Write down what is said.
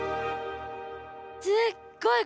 すっごい！